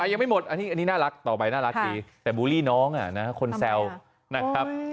ยังไม่หมดอันนี้น่ารักต่อไปน่ารักดีแต่บูลลี่น้องคนแซวนะครับ